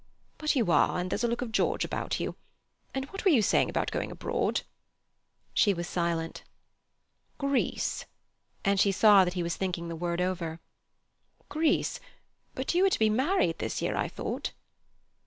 "But you are, and there's a look of George about you. And what were you saying about going abroad?" She was silent. "Greece"—and she saw that he was thinking the word over—"Greece; but you were to be married this year, I thought."